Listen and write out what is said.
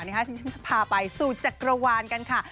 ที่ฉันจะพาไปสูตรจักรวาลกันค่ะ